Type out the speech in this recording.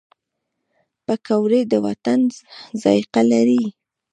پکورې د وطن ذایقه لري